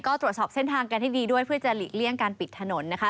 ก็ตรวจสอบเส้นทางกันให้ดีด้วยเพื่อจะหลีกเลี่ยงการปิดถนนนะคะ